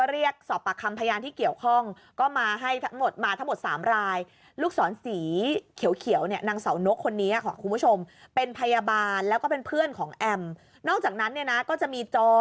เรียกความว่าเธอเป็นพยาบาลอืม